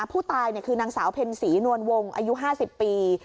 ผู้ตายคือนางสาวเพ็ญศรีนวลวงอายุ๕๐ปี